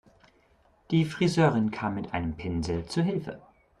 Die Friseurin kam mit einem Pinsel zu Hilfe.